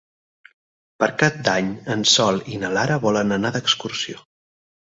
Per Cap d'Any en Sol i na Lara volen anar d'excursió.